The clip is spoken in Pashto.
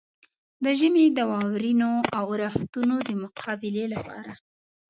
د ژمي د واورينو اورښتونو د مقابلې لپاره.